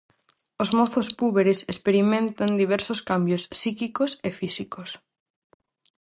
Os mozos púberes experimentan diversos cambios psíquicos e físicos.